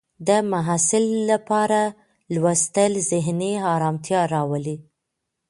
د محصل لپاره لوستل ذهني ارامتیا راولي.